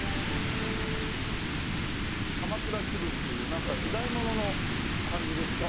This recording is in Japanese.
鎌倉気分というなんか時代物の感じですか？